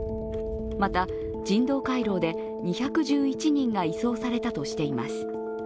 また、人道回廊で２１１人が移送されたとしています。